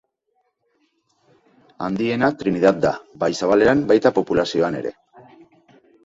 Handiena Trinidad da, bai zabaleran, baita populazioan ere.